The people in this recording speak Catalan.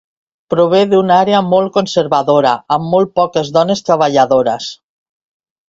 Prové d'una àrea molt conservadora amb molt poques dones treballadores.